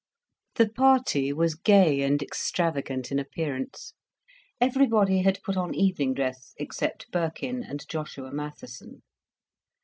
The party was gay and extravagant in appearance, everybody had put on evening dress except Birkin and Joshua Mattheson.